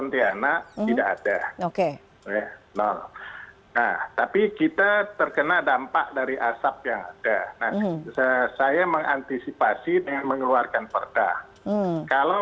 tetapi sebagian sudah datang ke sekolah